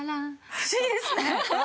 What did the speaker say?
不思議ですね！